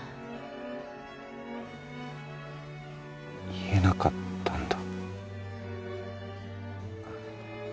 言えなかったんだ。